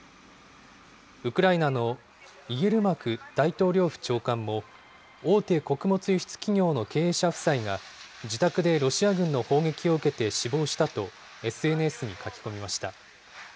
ウクライナのイエルマク大統領府長官も、大手穀物輸出企業の経営者夫妻が、自宅でロシア軍の砲撃を受けて死亡したと、ＳＮＳに書き込みました。